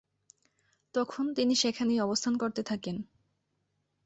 তখন তিনি সেখানেই অবস্থান করতে থাকেন।